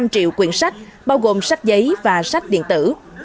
năm triệu quyển sách bao gồm sách giấy và sách điện tử